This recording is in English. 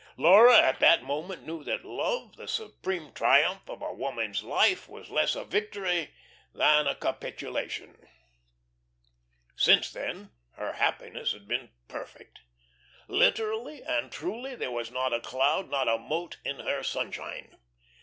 Laura in that moment knew that love, the supreme triumph of a woman's life, was less a victory than a capitulation. Since then her happiness had been perfect. Literally and truly there was not a cloud, not a mote in her sunshine.